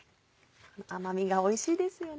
甘味がおいしいですよね。